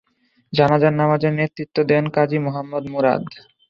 জানাজার নামাজের নেতৃত্ব দেন কাজী মুহাম্মদ মুরাদ।